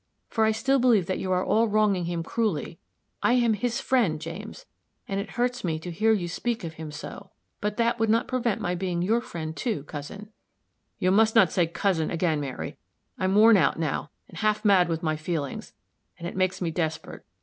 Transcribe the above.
for I still believe that you are all wronging him cruelly. I am his friend, James, and it hurts me to hear you speak so of him. But that would not prevent my being your friend, too, cousin " [Illustration: Page 223. IN THE OAK.] "You must not say 'cousin,' again, Mary. I'm worn out, now, and half mad with my feelings and it makes me desperate.